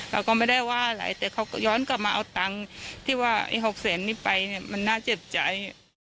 เราก็ไม่ได้ว่าอะไรแต่เขาก็ย้อนกลับมาเอาตังค์ที่ว่าไอ้๖แสนนี้ไปเนี่ยมันน่าเจ็บใจ